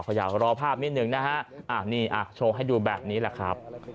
ภาพนิดหนึ่งนะฮะอ่านี่อ่าโชคให้ดูแบบนี้แหละครับ